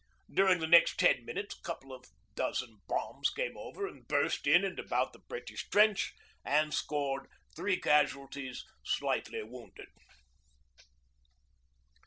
During the next ten minutes a couple of dozen bombs came over and burst in and about the British trench and scored three casualties, 'slightly wounded.'